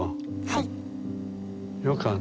はい。